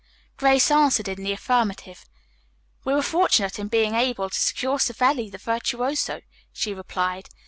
Grace answered in the affirmative. "We were fortunate in being able to secure Savelli, the virtuoso," she replied.